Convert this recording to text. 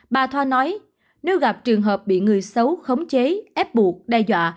bà thoa nói nếu gặp trường hợp bị người xấu khống chế ép buộc đe dọa